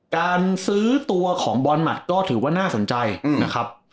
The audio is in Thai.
การซื้อตัวของบอลหมัดก็ถือว่าน่าสนใจนะครับ